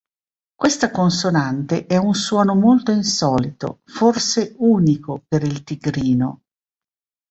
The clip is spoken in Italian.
Questa consonante è un suono molto insolito, forse unico per il tigrino.